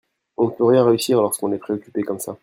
On ne peut rien réussir lorsque l'on est préoccupé comme ça.